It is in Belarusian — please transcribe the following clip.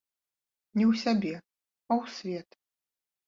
Не ў сябе, а ў свет.